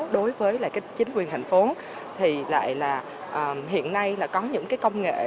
đối với chính quyền thành phố thì lại là hiện nay là có những công nghệ tiên tiến